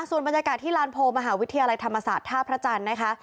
ส่วนบรรยากาศที่ลานโพลมหาวิทยาลัยธรรมศาสตร์ท่าพระจันทร์นะคะ